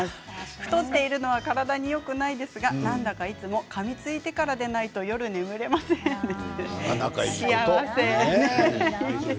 太っているのは体によくないですがなんだかいつも、かみついてからでないと夜眠れませんということです。